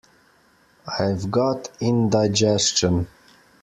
I've got indigestion.